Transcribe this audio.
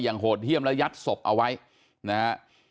โหดเยี่ยมและยัดศพเอาไว้นะฮะ